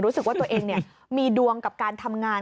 รู้สึกว่าตัวเองมีดวงกับการทำงาน